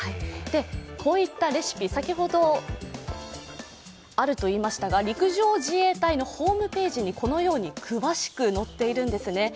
こういったレシピ先ほど、あるといいましたが陸上自衛隊のホームページに、このように詳しく載っています。